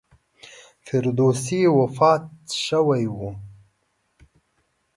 فردوسي وفات شوی و.